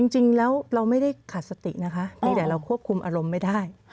จริงแล้วเราไม่ได้ขาดสตินะคะมีแต่เราควบคุมอารมณ์ไม่ได้